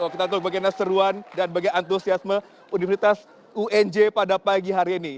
kita tunggu bagaimana seruan dan bagaimana antusiasme universitas unj pada pagi hari ini